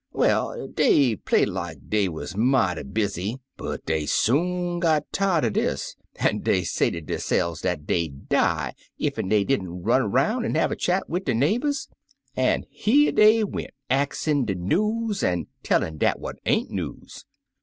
Well, dey played like dey wuz mighty busy, but dey soon git tired er dis, an' dey say ter dey se'f dat dey'd die dead ef dey did n't run 'roun' an' have a chat wid de neighbors; an' here dey went, axin' de news, an' tellin' dat what ain't news.